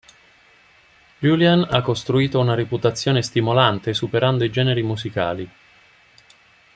Julian ha costruito una reputazione stimolante superando i generi musicali.